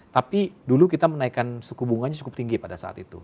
tapi dulu kita menaikkan suku bunganya cukup tinggi pada saat itu